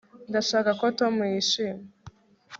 ndashaka ko tom yishima